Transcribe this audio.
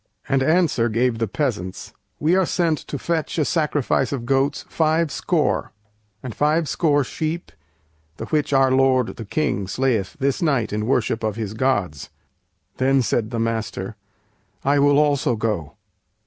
And answer gave the peasants: "We are sent To fetch a sacrifice of goats fivescore, And fivescore sheep, the which our Lord the King Slayeth this night in worship of his gods." Then said the Master, "I will also go!"